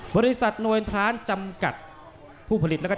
บริษัทนวินทรานจำกัดผู้ผลิตและก็จำนวน